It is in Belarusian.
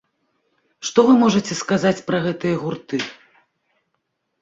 Што вы можаце сказаць пра гэтыя гурты?